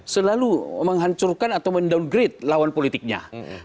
selalu menghancurkan atau men downgrade lawan politiknya